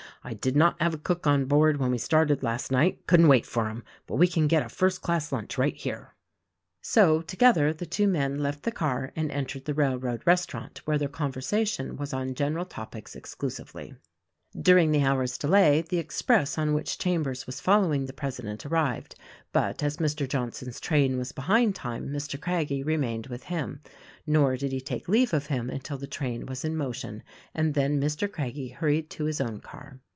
I did not have a cook on board when we started last night — couldn't wait for him; but we can get a first class lunch right here." So together the two men left the car and entered the THE RECORDING ANGEL 117 railroad restaurant, where their conversation was on gen eral topics exclusively. During the hour's delay the express on which Chambers was following the president arrived; but, as Mr. Johnson's train was behind time, Mr. Craggie remained with him ; nor did he take leave of him until the train was in motion, and then Mr. Craggie hurried to his own car.